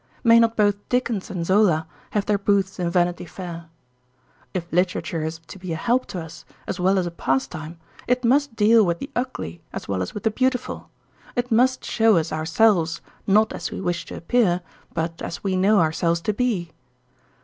May not both Dickens and Zola have their booths in Vanity Fair? If literature is to be a help to us, as well as a pastime, it must deal with the ugly as well as with the beautiful; it must show us ourselves, not as we wish to appear, but as we know ourselves to be.